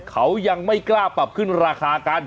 เขายังไม่กล้าปรับขึ้นราคากัน